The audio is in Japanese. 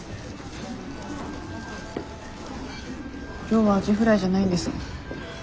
今日はアジフライじゃないんですね。